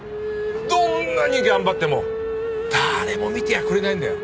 どんなに頑張っても誰も見てやくれないんだよ。